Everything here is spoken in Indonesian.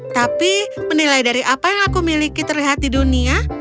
tapi menilai dari apa yang aku miliki terlihat di dunia